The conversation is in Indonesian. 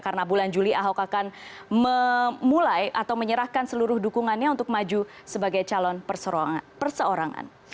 karena bulan juli ahok akan memulai atau menyerahkan seluruh dukungannya untuk maju sebagai calon perseorangan